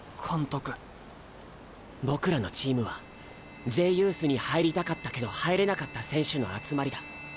僕らのチームはＪユースに入りたかったけど入れなかった選手の集まりだ。